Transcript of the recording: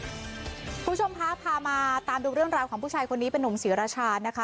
คุณผู้ชมคะพามาตามดูเรื่องราวของผู้ชายคนนี้เป็นนุ่มศรีราชานะคะ